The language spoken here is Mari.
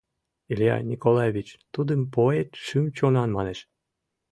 Илья Николаевич тудым поэт шӱм-чонан манеш.